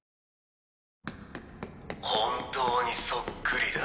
本当にそっくりだ。